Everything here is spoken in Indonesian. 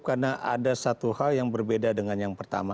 karena ada satu hal yang berbeda dengan yang pertama